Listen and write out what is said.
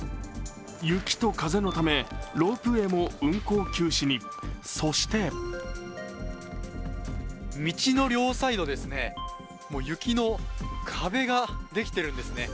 雪と風のためロープウエーも運行休止に、そして道の両サイド、雪の壁ができているんですね。